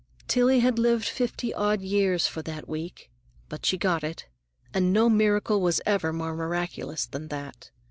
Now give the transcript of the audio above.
Tillie had lived fifty odd years for that week, but she got it, and no miracle was ever more miraculous than that.